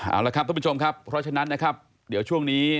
เอาละครับทุกผู้ชมครับเพราะฉะนั้นนะครับเดี๋ยวช่วงนี้